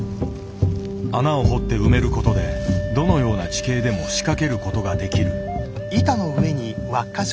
穴を掘って埋めることでどのような地形でも仕掛けることができる。